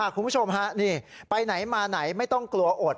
คุณผู้ชมฮะนี่ไปไหนมาไหนไม่ต้องกลัวอด